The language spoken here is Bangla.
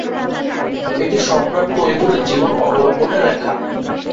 এটি সম্রাট তৈমুরের জীবন অবলম্বনে লেখা।